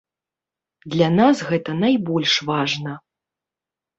Для нас гэта найбольш важна.